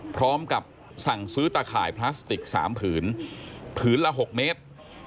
พร้อมกับสั่งซื้อตะข่ายพลาสติก๓ผืนผืนละ๖เมตร